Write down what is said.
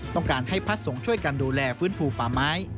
ต้องการให้พระสงฆ์ช่วยกันดูแลฟื้นฟูป่าไม้